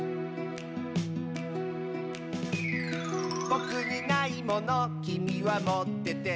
「ぼくにないものきみはもってて」